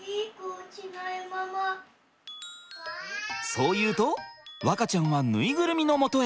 そう言うと和花ちゃんはぬいぐるみのもとへ。